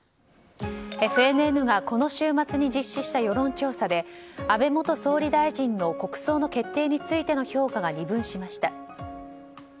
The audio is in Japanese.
ＦＮＮがこの週末に実施した世論調査で安倍元総理大臣の国葬の決定についての評価が二分しました。